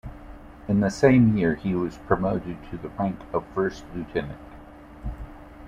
In the same year he was promoted to the rank of first lieutenant.